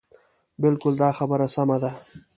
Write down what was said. بلکل دا خبره سمه ده.